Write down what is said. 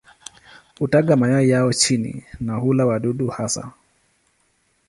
Hutaga mayai yao chini na hula wadudu hasa.